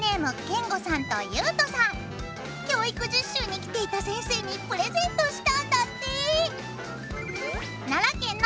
教育実習に来ていた先生にプレゼントしたんだって！